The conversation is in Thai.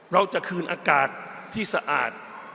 เราจะคืนอากาศที่สะอาด